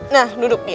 nah duduk dia